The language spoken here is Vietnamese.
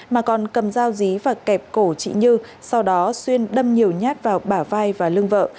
mà còn cầm dao dí và kẹp cổ chị như sau đó xuyên đâm nhiều nhát vào bà vai và lưng vợ